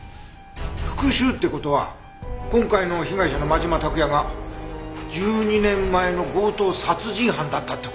復讐って事は今回の被害者の真島拓也が１２年前の強盗殺人犯だったって事？